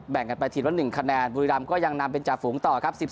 แบ่งกันไปถึงว่า๑คะแนนบุรีรำก็ยังนำเป็นจาฝูงต่อครับ